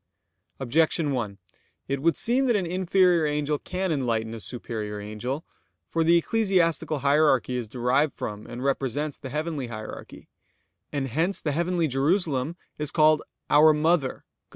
Objection 1: It would seem that an inferior angel can enlighten a superior angel. For the ecclesiastical hierarchy is derived from, and represents the heavenly hierarchy; and hence the heavenly Jerusalem is called "our mother" (Gal.